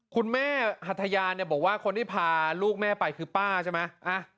คุณแม่หัทยาเนี่ยบอกว่าคนที่พาลูกแม่ไปคือป้าใช่ไหม